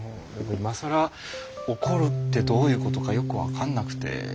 今更怒るってどういうことかよく分かんなくて。